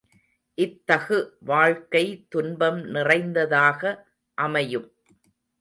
இத்தகு வாழ்க்கை துன்பம் நிறைந்ததாக அமையும்.